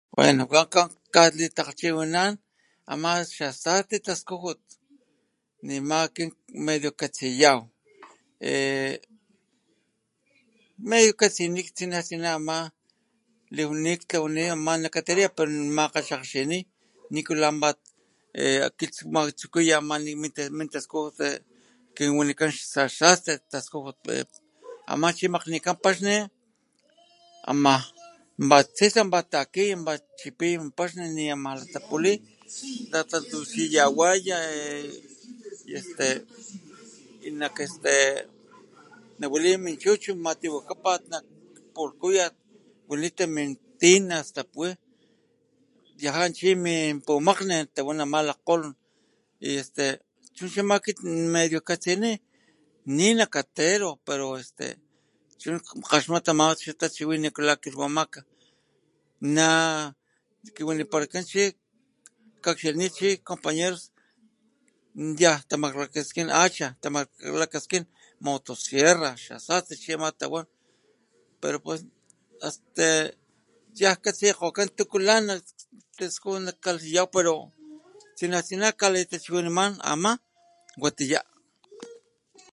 Bueno wakg kakalitakgalhchiwinanan ama xa sasti taskujut nema akit medio katsiyaw eee medio kastiyaw ne ama necateria makgaxakgxini nikula pinpat likilhmatsukiya limin mintaskujut que wanikan xa sasti taskujut ama chi makgnikan paxni amaj tsitsa pat chi pinpat chipaya min paxni ni ama latapuli tatantuchiyawa eee este y nak este nawaliniya min chuchut matiwakaya nak pulhkuyat nakmintina stak wi yaja chi min punakgnin tawan ama lakgkgolon y este chu chi ama medio katsini ninakateri pero este chu kgaxmata ama chi xataxhiwin lakilhwamaka nakiwaniparakan chi kakxilhnit chi compañeros yan tamaklakaskin hacha tamaklakaskin motosierra xasasti chi ama tawan pero pues este yan kasikgokan tuku taliskujmana pero tsina tsina tachiwinaman ama watiya.